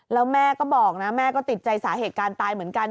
แล้วแม่ก็บอกนะแม่ก็ติดใจสาเหตุการณ์ตายเหมือนกัน